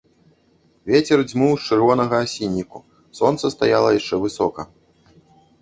Вецер дзьмуў з чырвонага асінніку, сонца стаяла яшчэ высока.